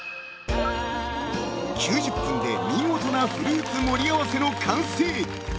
［９０分で見事なフルーツ盛り合わせの完成］